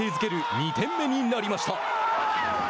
２点目になりました。